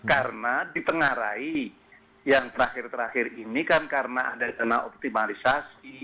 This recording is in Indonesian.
karena dipengarahi yang terakhir terakhir ini kan karena ada dana optimalisasi